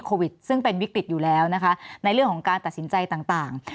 ซึ่งเป็นวิกฤตอยู่แล้วนะคะในเรื่องของการตัดสินใจต่าง